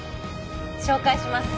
紹介します